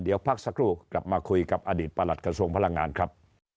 เดี๋ยวพักสักครู่กลับมาคุยกับอดีตประหลัดกระทรวงพลังงานครับ